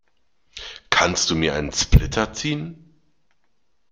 Kannst du mir einen Splitter ziehen?